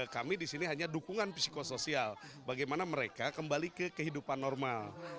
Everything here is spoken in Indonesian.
kami di sini hanya dukungan psikosoial bagaimana mereka kembali ke kehidupan normal